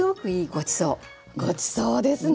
ごちそうですね。